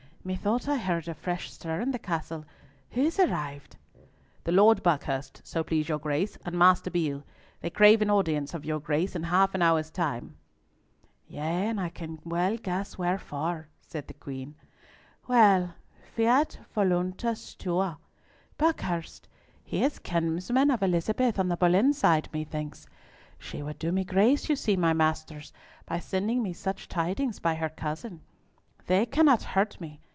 "Methought I heard a fresh stir in the Castle; who is arrived?" "The Lord Buckhurst, so please your Grace, and Master Beale. They crave an audience of your Grace in half an hour's time." "Yea, and I can well guess wherefore," said the Queen. "Well, Fiat voluntas tua! Buckhurst? he is kinsman of Elizabeth on the Boleyn side, methinks! She would do me grace, you see, my masters, by sending me such tidings by her cousin. They cannot hurt me!